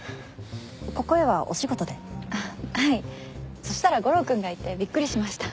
そしたら悟郎君がいてびっくりしました。